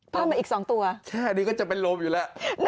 เพิ่มมาอีก๒ตัวแค่นี้ก็จะเป็นลมอยู่แล้ว